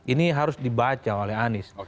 ini harus dibaca oleh anies